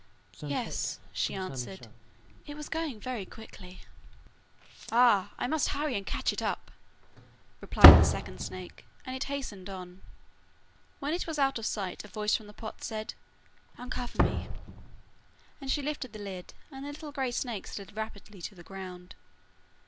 'Yes,' she answered, 'it was going very quickly.' 'Ah, I must hurry and catch it up,' replied the second snake, and it hastened on. When it was out of sight, a voice from the pot said: 'Uncover me,' and she lifted the lid, and the little grey snake slid rapidly to the ground.